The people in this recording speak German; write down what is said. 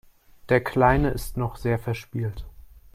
Der Kleine ist noch sehr verspielt.